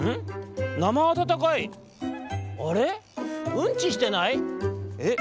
うんちしてない？えっ？